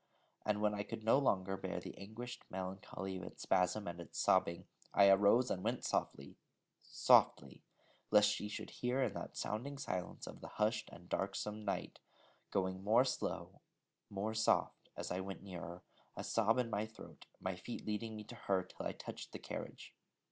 And when I could no longer bear the anguished melancholy of its spasm and its sobbing, I arose and went softly, softly, lest she should hear in that sounding silence of the hushed and darksome night, going more slow, more soft, as I went nearer, a sob in my throat, my feet leading me to her, till I touched the carriage.